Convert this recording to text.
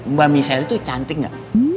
mbak michelle tuh cantik gak